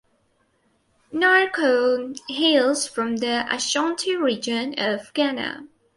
Nyarko hails from the Ashanti Region of Ghana.